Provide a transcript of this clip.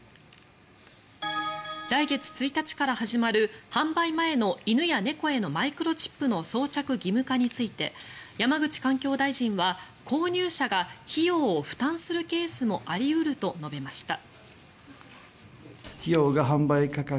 来月１日から始まる販売前の犬や猫へのマイクロチップの装着義務化について山口環境大臣は購入者が費用を負担するケースもあり得ると述べました。